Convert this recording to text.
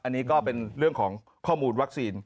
อันนี้ก็เป็นเรื่องของข้อมูลวัคซีน